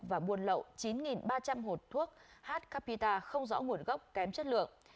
và buôn lậu chín ba trăm linh hộp thuốc h capita không rõ nguồn gốc kém chất lượng